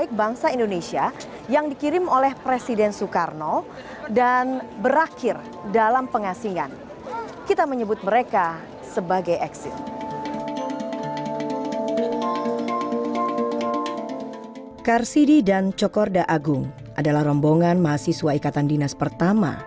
karsidi dan cokorda agung adalah rombongan mahasiswa ikatan dinas pertama